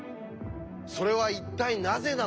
それは一体なぜなのか。